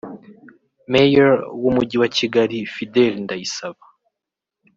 Mayor w’umujyi wa Kigali Fidele Ndayisaba